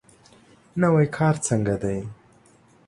نوی کار څنګه دی؟